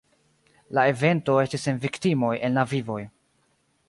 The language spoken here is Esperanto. La evento estis sen viktimoj en la vivoj.